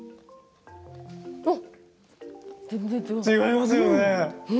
違いますよね。